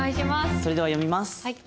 それでは読みます。